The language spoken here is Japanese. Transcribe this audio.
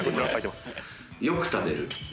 よく食べる。